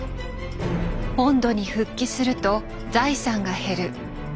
本土に復帰すると財産が減る。